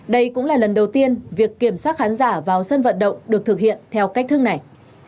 đây cũng là lần đầu tiên việc kiểm soát khán giả vào sân vận động được thực hiện theo cách thức này